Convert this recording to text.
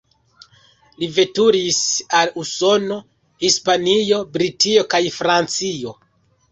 Li veturis al Usono, Hispanio, Britio kaj Francio.